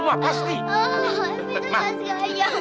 pita pasti ketemu